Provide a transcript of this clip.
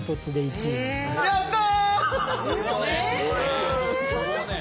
やった！